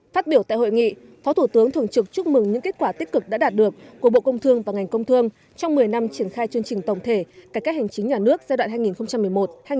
phát biểu tại hội nghị phó thủ tướng thường trực chúc mừng những kết quả tích cực đã đạt được của bộ công thương và ngành công thương trong một mươi năm triển khai chương trình tổng thể cải cách hành chính nhà nước giai đoạn hai nghìn một mươi một hai nghìn hai mươi